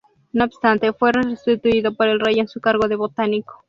No obstante, fue restituido por el rey en su cargo de botánico.